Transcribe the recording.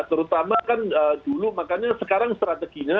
terutama kan dulu makanya sekarang strateginya